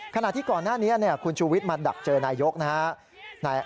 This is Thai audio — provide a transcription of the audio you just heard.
ขณะที่ก่อนหน้านี้คุณชูวิทย์มาดักเจอนายกนะครับ